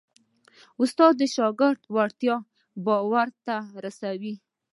استاد د شاګرد وړتیا باور ته رسوي.